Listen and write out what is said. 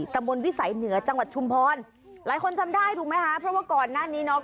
ตำบลวิสัยเหนือจังหวัดชุมพรหลายคนจำได้ถูกไหมคะเพราะว่าก่อนหน้านี้เนาะ